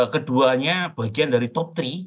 keduanya bagian dari top tiga